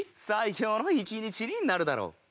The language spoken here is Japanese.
最高の一日になるだろう。